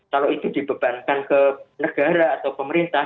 kalau itu dibebankan ke negara atau pemerintah